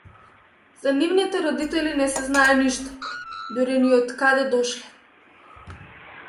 За нивните родители не се знае ништо, дури ни од каде дошле.